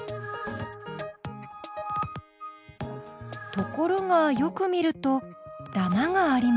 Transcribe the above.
ところがよく見ると「だま」があります。